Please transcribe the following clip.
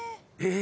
え？